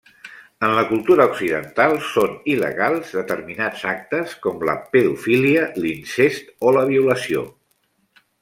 En la cultura occidental, són il·legals determinats actes com la pedofília, l'incest o la violació.